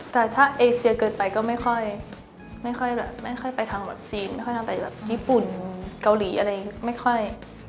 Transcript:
แต่ถ้าเอเชียเกิดไปก็ไม่ค่อยไปทางจีนไม่ค่อยไปญี่ปุ่นเกาหลีอะไรอีกไม่ค่อย